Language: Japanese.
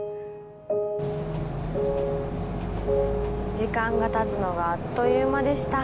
時間が経つのがあっという間でした。